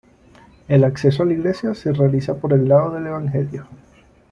El acceso a la iglesia se realiza por el lado del evangelio.